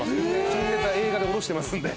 新ネタ映画で下ろしてますんで。